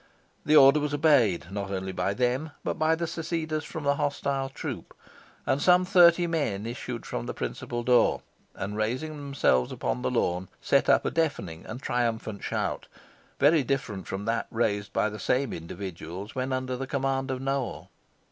The order was obeyed, not only by them, but by the seceders from the hostile troop, and some thirty men issued from the principal door, and, ranging themselves upon the lawn, set up a deafening and triumphant shout, very different from that raised by the same individuals when under the command of Nowell.